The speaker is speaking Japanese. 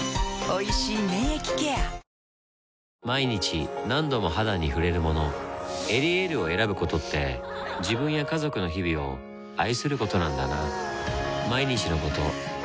毎日何度も肌に触れるもの「エリエール」を選ぶことって自分や家族の日々を愛することなんだなぁ